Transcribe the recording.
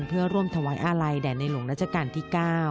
เพื่อร่วมถวายอาลัยแด่ในหลวงราชการที่๙